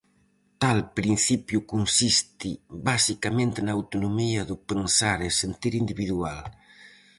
Tal principio consiste, basicamente na autonomía do pensar e sentir individual.